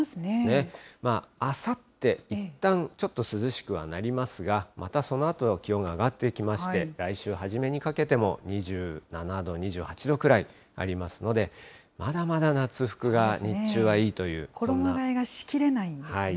あさって、いったん、ちょっと涼しくはなりますが、またそのあと、気温が上がっていきまして、来週初めにかけても２７度、２８度くらいありますので、まだまだ衣がえがしきれないですね。